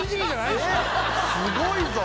すごいぞ。